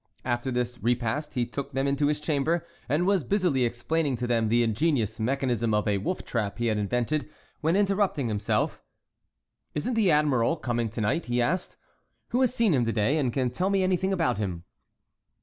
After the repast he took them into his chamber, and was busily explaining to them the ingenious mechanism of a wolf trap he had invented, when, interrupting himself,— "Isn't the admiral coming to night?" he asked. "Who has seen him to day and can tell me anything about him?"